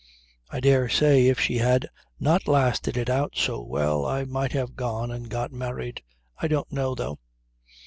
I dare say if she had not lasted it out so well I might have gone and got married. I don't know, though.